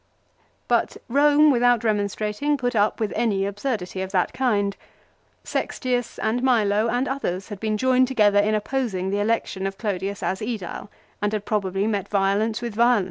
But Rome without remonstrating, put up with any absurdity of that kind. Sextius and Milo and others had been joined together in opposing the election of Clodius as ^dile, and had probably met violence with violence.